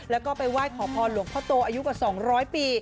แล้วก็ไปไหว้ขอพรหลวงพ่อโตอายุกว่า๒๐๐ปี